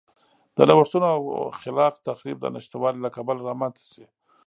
د نوښتونو او خلاق تخریب د نشتوالي له کبله رامنځته شي.